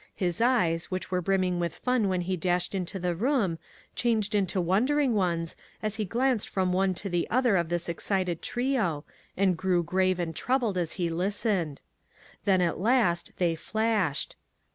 His eyes, which were brimming with fnn when he dashed into the room, changed into wondering ones, as he glanced from one to the other of this excited trio, and grew grave and troubled as he listened. Then at last they flashed.